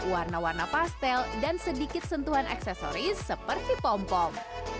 warna warna pastel dan sedikit sentuhan aksesoris seperti pompom